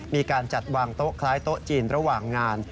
มีการจัดวางโต๊ะคล้ายโต๊ะจีนระหว่างงาน